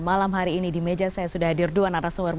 malam hari ini di meja saya sudah hadir dua narasumber